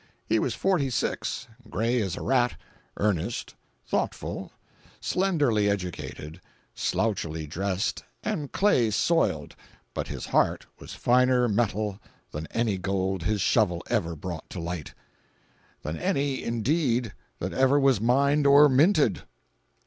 —He was forty six, gray as a rat, earnest, thoughtful, slenderly educated, slouchily dressed and clay soiled, but his heart was finer metal than any gold his shovel ever brought to light—than any, indeed, that ever was mined or minted.